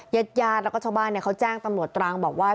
ญาติญาติแล้วก็ชาวบ้านเขาแจ้งตำรวจตรังบอกว่า